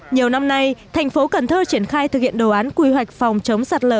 nhiều năm nay thành phố cần thơ triển khai thực hiện đồ án quy hoạch phòng chống sạt lở